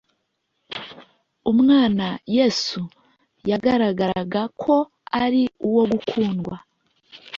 Umwana Yesu yagaragaraga ko ari uwo gukundwa.